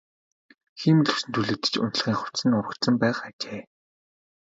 Хиймэл үс нь түлэгдэж унтлагын хувцас нь урагдсан байх ажээ.